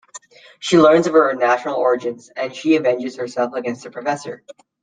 She learns of her unnatural origins and she avenges herself against the professor.